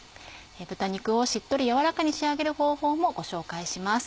豚肉をしっとり軟らかに仕上げる方法もご紹介します。